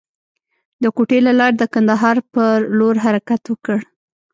د کوټې له لارې د کندهار پر لور حرکت وکړ.